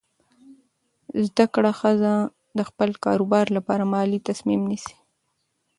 زده کړه ښځه د خپل کاروبار لپاره مالي تصمیم نیسي.